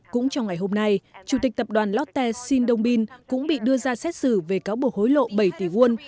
cũng trong ngày hôm nay chủ tịch tập đoàn lotte shin dongbin cũng bị đưa ra xét xử về cáo buộc hối lộ bảy tỷ won